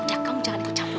ya kamu jangan ikut campur